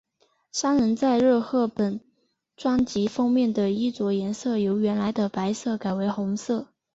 三人在热贺本专辑封面的衣着颜色由原来的白色改为红色。